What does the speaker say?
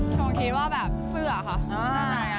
ผมคิดว่าแบบเฟื่อค่ะนั่นไหลนะ